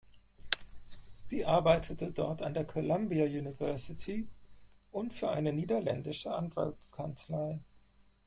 Sie arbeitete dort an der Columbia University und für eine niederländische Anwaltskanzlei.